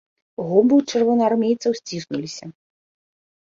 Губы ў чырвонаармейцаў сціснуліся.